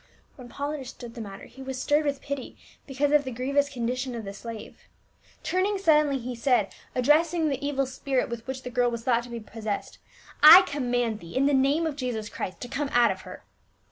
When Paul understood the matter he was stirred with pity because of the grievous condition of the slave ; turning suddenly he said, addressing the evil spirit with which the girl was thought to be possessed, " I command thee in the name of Jesus Christ to come out of her."